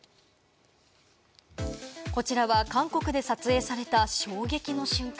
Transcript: こちらは韓国で撮影された衝撃の瞬間。